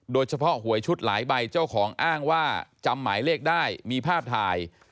หวยชุดหลายใบเจ้าของอ้างว่าจำหมายเลขได้มีภาพถ่าย